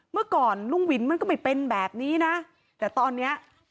เมื่อก่อนลุงวินมันก็ไม่เป็นแบบนี้นะแต่ตอนเนี้ย